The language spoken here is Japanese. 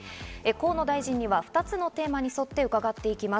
河野大臣には２つのテーマに沿って伺っていきます。